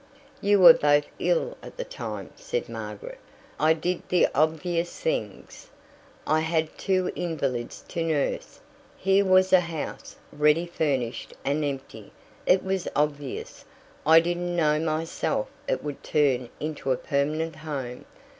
"You were both ill at the time," said Margaret. "I did the obvious things. I had two invalids to nurse. Here was a house, ready furnished and empty. It was obvious. I didn't know myself it would turn into a permanent home.